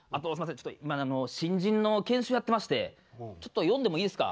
ちょっと今新人の研修やってましてちょっと呼んでもいいですか？